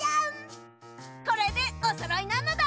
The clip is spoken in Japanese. これでおそろいなのだ！